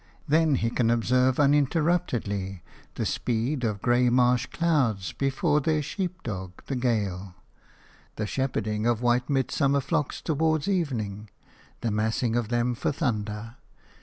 Then he can observe uninterruptedly the speed of grey March clouds before their sheep dog, the gale; the shepherding of white midsummer flocks toward evening; the massing of them for thunder.